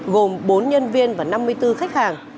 gồm bốn nhân viên và năm mươi bốn khách hàng